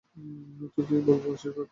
তো কী বলবো, আশীর্বাদ?